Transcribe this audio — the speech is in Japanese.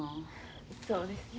そうですね。